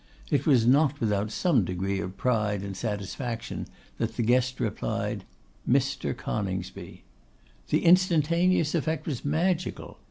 It was not without some degree of pride and satisfaction that the guest replied, 'Mr. Coningsby.' The instantaneous effect was magical.